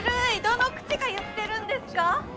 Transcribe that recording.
どの口が言ってるんですか？